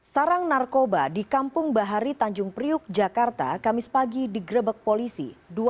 sarang narkoba di kampung bahari tanjung priuk jakarta kamis pagi digerebek polisi